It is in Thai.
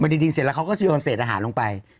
ดีเสร็จแล้วเขาก็จะโยนเศษอาหารลงไป